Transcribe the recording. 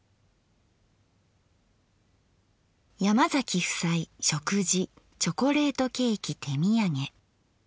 「山崎夫妻食事チョコレートケーキ手土産」。